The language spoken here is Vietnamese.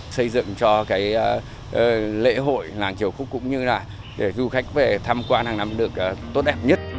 xây dựng cho lễ hội làng triều khúc cũng như là để du khách về tham quan hàng năm được tốt đẹp nhất